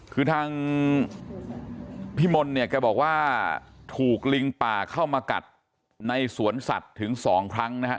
คือทางพี่มนต์เนี่ยแกบอกว่าถูกลิงป่าเข้ามากัดในสวนสัตว์ถึงสองครั้งนะฮะ